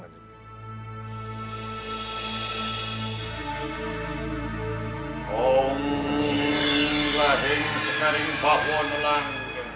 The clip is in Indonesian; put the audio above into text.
om lahir sekarang bahwa nolang